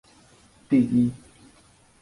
第一